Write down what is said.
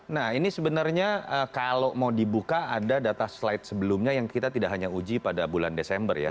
nah ini sebenarnya kalau mau dibuka ada data slide sebelumnya yang kita tidak hanya uji pada bulan desember ya